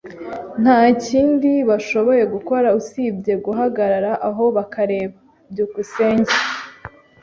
Nta kindi bashoboye gukora usibye guhagarara aho bakareba. byukusenge